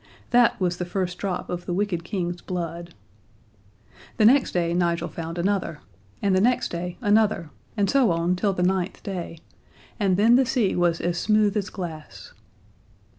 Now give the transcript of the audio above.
That was the first drop of the wicked King's blood. The next day Nigel found another, and next day another, and so on till the ninth day, and then the sea was as smooth as glass.